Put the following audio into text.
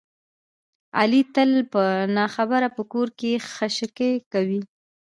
علي تل په نه خبره په کور کې خشکې کوي.